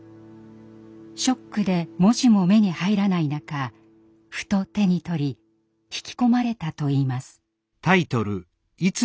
ショックで文字も目に入らない中ふと手に取り引き込まれたといいます。